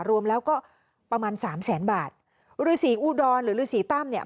รวมแล้วก็ประมาณสามแสนบาทฤษีอุดรหรือฤษีตั้มเนี่ย